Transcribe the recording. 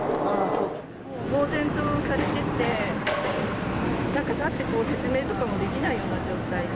もうぼうぜんとされてて、立って説明とかもできないような状態で。